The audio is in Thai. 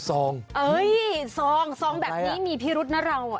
ซองแบบนี้มีพิรุษนะเรา